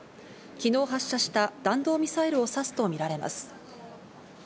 昨日発射した弾道ミサイルを指すとみられます。